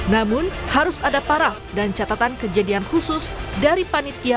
namun harus ada paraf dan catatan kejadian khusus dari panitia